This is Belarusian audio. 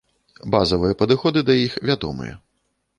Базавыя падыходы да іх вядомыя.